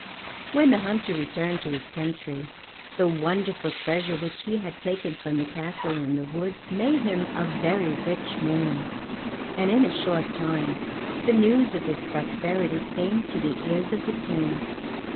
When the hunter returned to his country, the wonderful treasures which he had taken from the castle in the wood made him a very rich man, and in a short time the news of his prosperity came to the ears of the King.